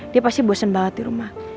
dia pasti bosen banget di rumah